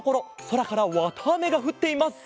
そらからわたあめがふっています！